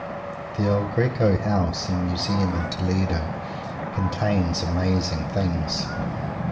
The El Greco House and Museum in Toledo contains amazing things.